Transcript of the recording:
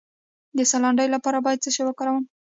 د ساه لنډۍ لپاره باید څه شی وکاروم؟